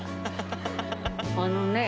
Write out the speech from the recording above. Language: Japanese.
あのね。